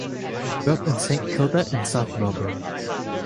He grew up in Saint Kilda and South Melbourne.